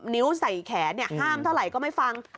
นิ้วใส่แขนห้ามเท่าไหร่ก็ไม่ฟัง